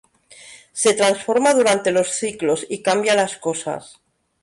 Se transforma durante los ciclos y cambia las cosas.